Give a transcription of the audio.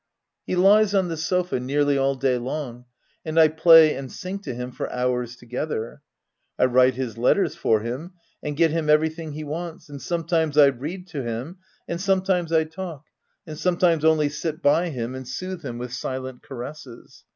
He lies on the sofa nearly all day long ; and I play and sing to him for hours together. I write his letters for him, and get him everything he wants; and sometimes I read to him, and some times I talk, and sometimes only sit by him and sooth him with silent caresses.